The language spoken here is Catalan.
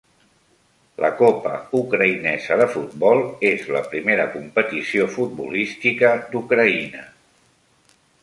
La Copa Ucraïnesa de futbol és la primera competició futbolística d'Ucraïna.